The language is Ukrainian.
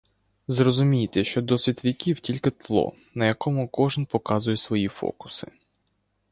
Зрозумійте, що досвід віків тільки тло, на якому кожен показує свої фокуси.